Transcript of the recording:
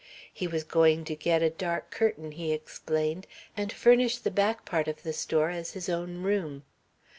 He was going to get a dark curtain, he explained, and furnish the back part of the store as his own room.